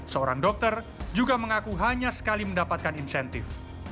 seorang dokter juga mengaku hanya sekali mendapatkan insentif